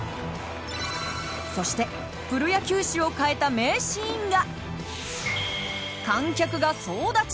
そしてプロ野球史を変えた名シーンが。